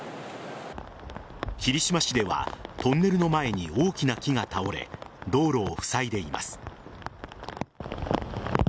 霧島市ではトンネルの前に大きな木が倒れ道路をふさいでいます。